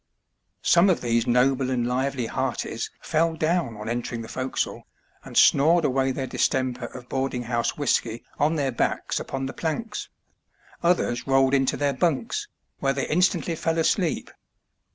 Some of these noble and lively hearties fell down on entering the forecastle, and snored away their distemper of boarding house whiskey on their backs upon the planks; others rolled into their bunks, where they in stantly fell asleep.